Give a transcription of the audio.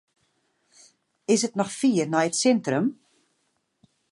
Is it noch fier nei it sintrum?